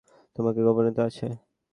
তোমার গোপনীয়তা আছে?